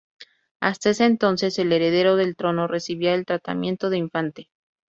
Hasta ese entonces, el heredero al trono recibía el tratamiento de infante.